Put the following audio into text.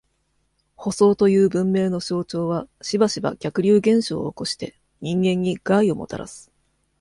舗装という文明の象徴は、しばしば、逆流現象を起こして、人間に害をもたらす。